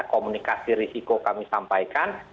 komunikasi risiko kami sampaikan